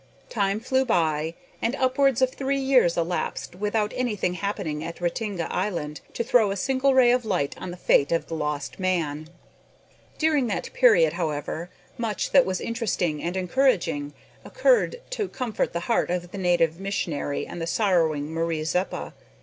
Time flew by, and upwards of three years elapsed without anything happening at Ratinga Island to throw a single ray of light on the fate of the lost man. During that period, however, much that was interesting and encouraging occurred to comfort the heart of the native missionary and the sorrowing Marie Zeppa.